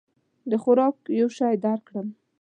د خوراک یو شی درکړم؟